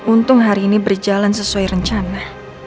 untung hari ini berjalan sesuai rencana